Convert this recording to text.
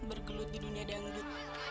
bergelut di dunia dangdut